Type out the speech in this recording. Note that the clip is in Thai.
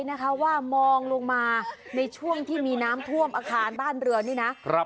นะคะว่ามองลงมาในช่วงที่มีน้ำท่วมอาคารบ้านเรือนนี่นะครับ